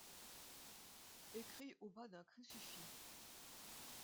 Écrit au bas d’un crucifix